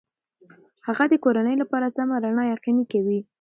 هغه د کورنۍ لپاره سمه رڼا یقیني کوي.